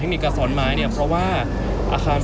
คุณต้องไปคุยกับทางเจ้าหน้าที่เขาหน่อย